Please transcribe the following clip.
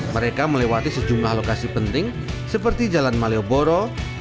mereka melewati sejumlah lokasi penting seperti jalan malioboro